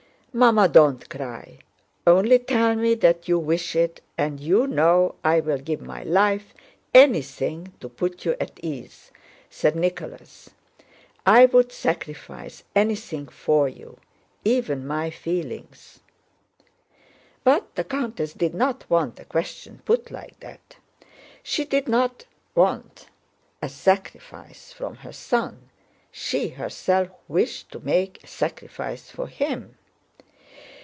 "Mamma, don't cry! Only tell me that you wish it, and you know I will give my life, anything, to put you at ease," said Nicholas. "I would sacrifice anything for you—even my feelings." But the countess did not want the question put like that: she did not want a sacrifice from her son, she herself wished to make a sacrifice for him.